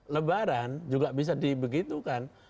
lebaran juga bisa dibegitukan